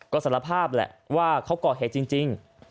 ก็สารภาพแหละว่าเขาก่อเหตุจริง